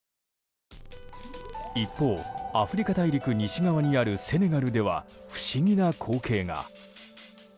一方、アフリカ大陸西側にあるセネガルでは不思議な光景が。